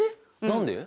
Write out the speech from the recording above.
何で？